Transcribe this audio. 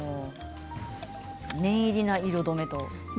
念入りな色止めですね。